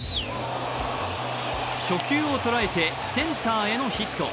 初球を捉えてセンターへのヒット。